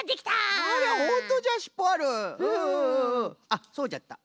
あっそうじゃった。